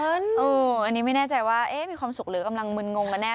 อันนี้ไม่แน่ใจว่ามีความสุขหรือกำลังมึนงงกันแน่